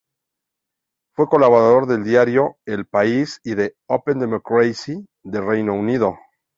Fue colaborador del diario "El País" y de "Open Democracy" del Reino Unido.